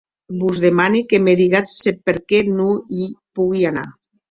Vos demani que me digatz se per qué non i posqui anar.